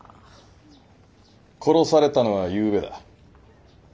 殺されたのはゆうべだ。